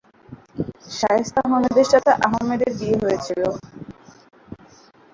শায়েস্তা আহমদের সাথে আহমদের বিয়ে হয়েছিল।